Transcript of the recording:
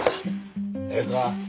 ええか？